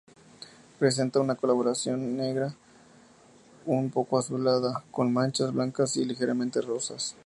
Presenta una coloración negra, un poco azulada, con manchas blancas y ligeramente rosas.